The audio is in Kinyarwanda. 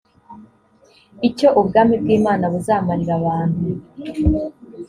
icyo ubwami bw imana buzamarira abantu